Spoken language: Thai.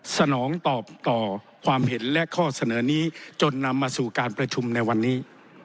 สนองตอบต่อความเห็นและข้อเสนอนี้จนนำมาสู่การประชุมในวันนี้